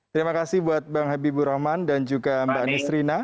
terima kasih buat bang habibur rahman dan juga mbak nisrina